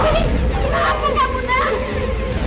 astrid tanggung jawab